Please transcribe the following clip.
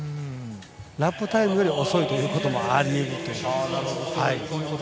ラップタイムより遅いということもありえるという。